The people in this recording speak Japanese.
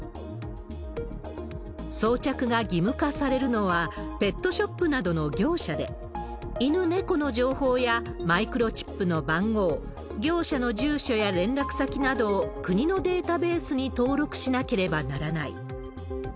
装着が義務化されるのはペットショップなどの業者で、犬、猫の情報や、マイクロチップの番号、業者の住所や連絡先などを国のデータベースに登録しなければならない。